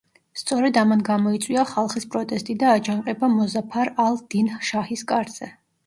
სწორედ ამან გამოიწვია ხალხის პროტესტი და აჯანყება მოზაფარ ალ-დინ შაჰის კარზე.